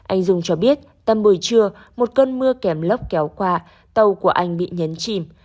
anh dung cho biết tầm buổi trưa một cơn mưa kèm lốc kéo qua tàu của anh bị nhấn chìm